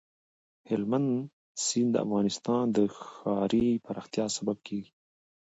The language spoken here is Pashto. هلمند سیند د افغانستان د ښاري پراختیا سبب کېږي.